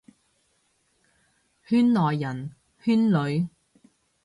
圈內人，圈裏，